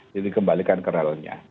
jadi kembalikan ke relnya